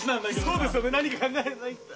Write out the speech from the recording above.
そうですよね何か考えないと。